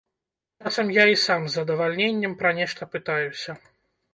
Часам я і сам з задавальненнем пра нешта пытаюся.